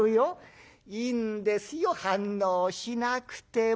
「いいんですよ反応しなくても。